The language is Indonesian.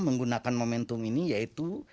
menggunakan momentum ini yaitu